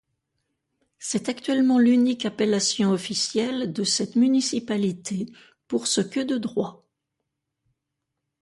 C'est actuellement l'unique appellation officielle de cette municipalité pour ce que de droit.